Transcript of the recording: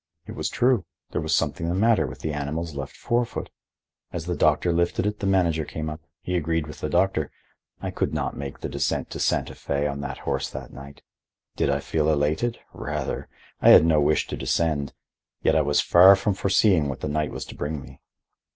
It was true. There was something the matter with the animal's left forefoot. As the doctor lifted it, the manager came up. He agreed with the doctor. I could not make the descent to Santa Fe on that horse that night. Did I feel elated? Rather. I had no wish to descend. Yet I was far from foreseeing what the night was to bring me.